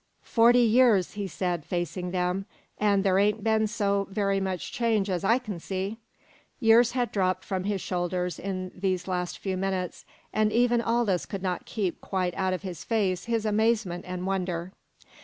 "Forty years!" he said, facing them. "An' there ain't been so very much change as I can see!" Years had dropped from his shoulders in these last few minutes, and even Aldous could not keep quite out of his face his amazement and wonder.